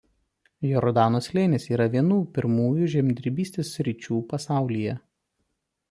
Jordano slėnis yra vienų pirmųjų žemdirbystės sričių pasaulyje.